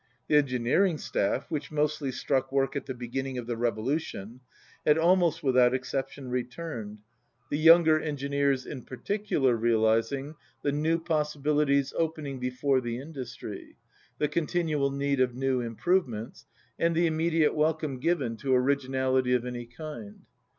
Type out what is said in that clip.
The engineering staff, which mostly struck work at the beginning of the revolution, had almost without exception returned, the 148 younger engineers in particular realizing the new possibilities opening before the industry, the con tinual need of new improvements, and the imme diate welcome given to originality of any kind.